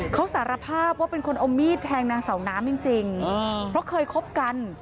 เขาสารภาพว่าเป็นคนเอามีดแทงนางเสาน้ำจริงเพราะเคยคบกัน